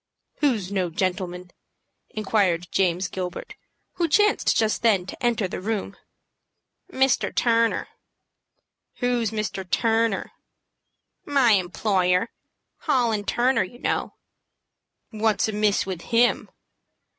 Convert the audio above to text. "Who's no gentleman?" inquired James Gilbert, who chanced just then to enter the room. "Mr. Turner." "Who's Mr. Turner?" "My employer, Hall & Turner, you know." "What's amiss with him?"